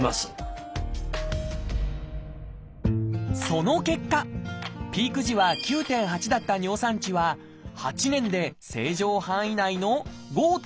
その結果ピーク時は９．８だった尿酸値は８年で正常範囲内の５．０に下がったのです！